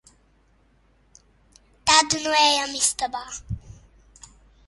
Tad nu ejam istabā.